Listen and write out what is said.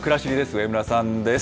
上村さんです。